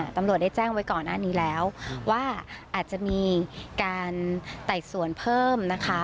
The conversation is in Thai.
ตำรวจได้แจ้งไว้ก่อนหน้านี้แล้วว่าอาจจะมีการไต่สวนเพิ่มนะคะ